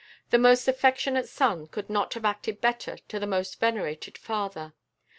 The most affectionate son could not have acted better to the most venerated father.